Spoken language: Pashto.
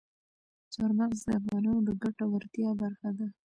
چار مغز د افغانانو د ګټورتیا برخه ده.